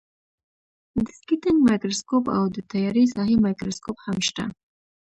دیسکټینګ مایکروسکوپ او د تیارې ساحې مایکروسکوپ هم شته.